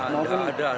tidak ada rekomendasi